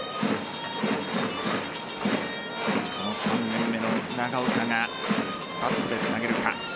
３年目の長岡がバットでつなげるか。